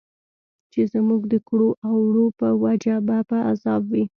چې زموږ د کړو او وړو په وجه به په عذاب وي.